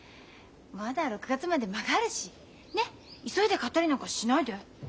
まだ６月まで間があるしねっ急いで買ったりなんかしないで。